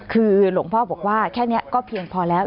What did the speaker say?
คือหลวงพ่อบอกว่าแค่นี้ก็เพียงพอแล้ว